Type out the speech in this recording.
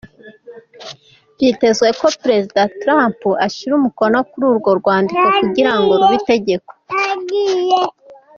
Vyitezwe ko prezida Trump ashira umukono kuri urwo rwandiko kugira rube itegeko.